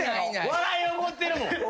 笑い起こってるもん。